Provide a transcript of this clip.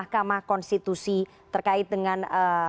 kamah konstitusi terkait dengan